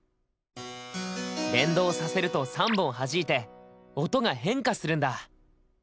連動させると３本はじいて音が変化するんだ。